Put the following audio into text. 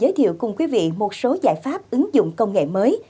giới thiệu cùng quý vị một số giải pháp ứng dụng công nghệ mới